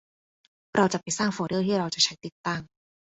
เราจะไปสร้างโฟลเดอร์ที่เราจะใช้ติดตั้ง